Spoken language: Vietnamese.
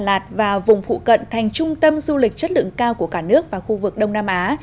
đà lạt và vùng phụ cận thành trung tâm du lịch chất lượng cao của cả nước và khu vực đông nam á